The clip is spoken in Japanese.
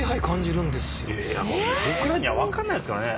僕らには分かんないですからね。